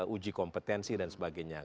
uji kompetensi dan sebagainya